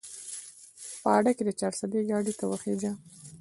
په اډه کښې د چارسدې ګاډي ته وخېژه